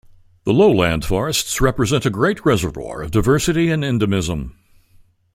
The lowland forests represent a great reservoir of diversity and endemism.